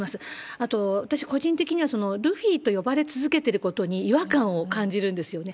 あと、私、個人的には、ルフィと呼ばれ続けていることに違和感を感じるんですよね。